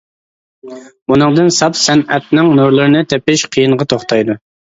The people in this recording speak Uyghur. ئۇنىڭدىن ساپ سەنئەتنىڭ نۇرلىرىنى تېپىش قىيىنغا توختايدۇ.